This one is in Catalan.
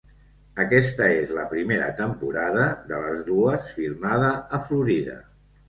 Aquesta és la primera temporada, de les dues, filmada a Florida.